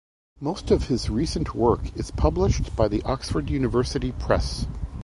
Most of his recent work is published by the Oxford University Press.